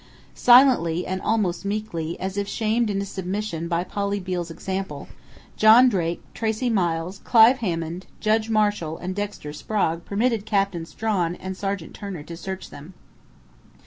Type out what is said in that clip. Silently, and almost meekly, as if shamed into submission by Polly Beale's example, John Drake, Tracey Miles, Clive Hammond, Judge Marshall, and Dexter Sprague permitted Captain Strawn and Sergeant Turner to search them.